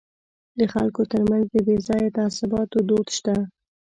د خلکو ترمنځ د بې ځایه تعصباتو دود شته.